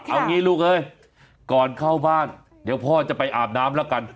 เอางี้ลูกเอ้ยก่อนเข้าบ้านเดี๋ยวพ่อจะไปอาบน้ำแล้วกัน